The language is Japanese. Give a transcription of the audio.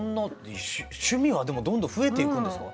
趣味はどんどん増えていくんですか？